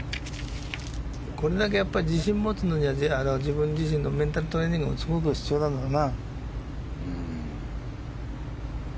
これだけ自信を持つのには自分自身のメンタルトレーニングもすごく必要なんだろうな。